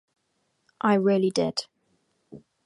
I really did.